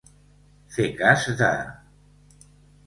Fer cas de.